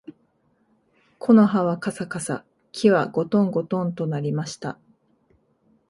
木の葉はかさかさ、木はごとんごとんと鳴りました